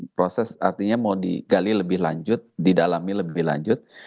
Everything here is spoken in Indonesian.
proses artinya mau digali lebih lanjut didalami lebih lanjut